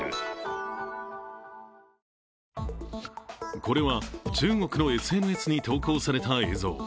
これは、中国のＳＮＳに投稿された映像。